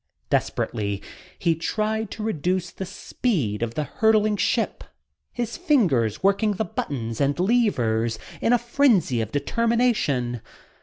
Desperately he tried to reduce the speed of the hurtling ship, his fingers working the buttons and levers in a frenzy of determination.